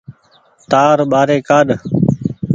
تآر ٻآري ڪآڏ۔